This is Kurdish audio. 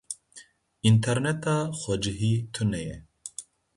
Înterneta xwecihî tune ye.